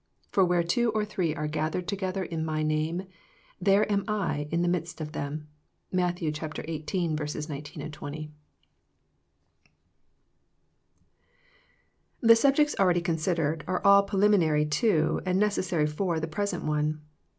For where two or three are gathered together in My name, there am Jin the midst ofthem.^' — MATTHEW 18 : 19, 20. YII THE PRACTICE OF PRAYER The subjects already considered are all pre liniinary to and necessary for the present one.